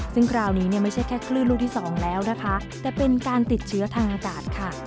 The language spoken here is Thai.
ซึ่งคราวนี้เนี่ยไม่ใช่แค่คลื่นลูกที่สองแล้วนะคะแต่เป็นการติดเชื้อทางอากาศค่ะ